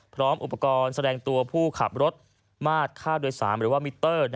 พร้อมอุปกรณ์แสดงตัวผู้ขับรถมาตรค่าโดย๓มิเตอร์